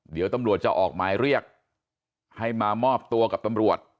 เดี๋ยวตำรวจจะออกหมายเรียกให้มามอบตัวกับตำรวจ